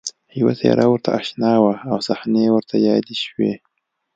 یوه څېره ورته اشنا وه او صحنې ورته یادې شوې